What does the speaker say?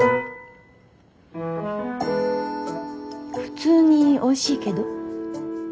普通においしいけど？